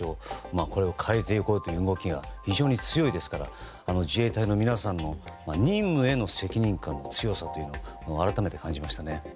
これを変えていこうという動きが非常に強いですから自衛隊の皆さんの任務への責任感の強さというのを改めて、感じましたね。